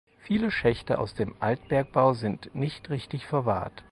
Viele Schächte aus dem Altbergbau sind nicht richtig verwahrt.